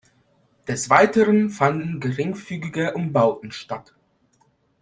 Des Weiteren fanden geringfügige Umbauten statt.